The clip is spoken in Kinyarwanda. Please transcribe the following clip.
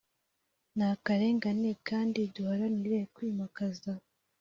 n akarengane kandi duharanire kwimakaza